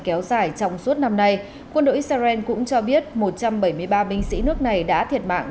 kéo dài trong suốt năm nay quân đội israel cũng cho biết một trăm bảy mươi ba binh sĩ nước này đã thiệt mạng